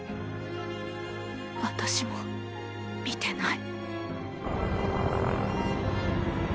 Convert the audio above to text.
私も見てない。